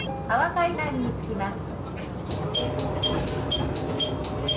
海南に着きます」。